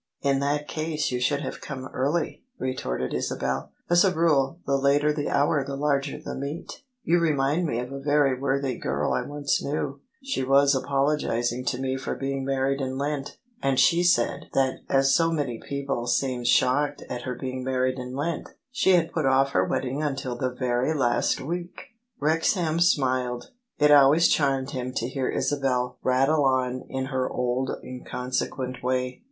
"In that case you should have come early," retorted Isabel ;" as a rule, the later the hour the larger the meet You remind me of a very worthy girl I once knew: she was apologising to me for being married in Lent, and she said that as so many people seemed shocked at her being married in Lent, she had put ofiE her wedding until the very last week!" Wrexham smiled. It always charmed him to hear Isabel rattle on in her old inconsequent way.